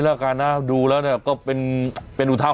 วันนี้จะเป็นวันนี้